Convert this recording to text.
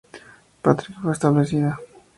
Patrick fue establecida.